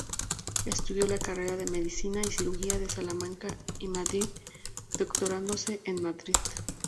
Estudio la carrera de Medicina y Cirugía en Salamanca y Madrid, doctorándose en Madrid.